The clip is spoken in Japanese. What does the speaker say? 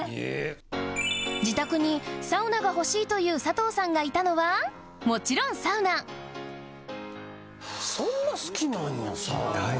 自宅にサウナが欲しいという佐藤さんがいたのはもちろんサウナそんな好きなんやサウナ。